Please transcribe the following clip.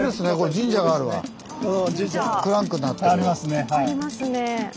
神社ありますね。